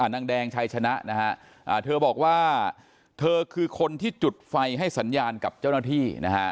นางแดงชัยชนะนะฮะเธอบอกว่าเธอคือคนที่จุดไฟให้สัญญาณกับเจ้าหน้าที่นะฮะ